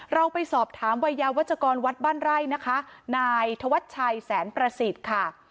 เราไปสอบถามวัยยาวัชกรวัดบ้านไร่นะคะนายธวัชชัยแสนประสิทธิ์ค่ะ